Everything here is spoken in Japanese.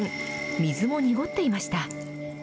水も濁っていました。